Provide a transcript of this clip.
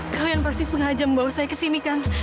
kalian pasti sengaja bawa saya kesini kan